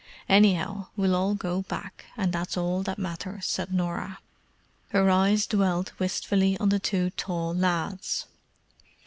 "Anyhow, we'll all go back; and that's all that matters," said Norah. Her eyes dwelt wistfully on the two tall lads.